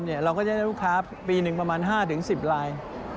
เราก็จะได้ลูกค้าปีหนึ่งประมาณ๕๑๐ลาย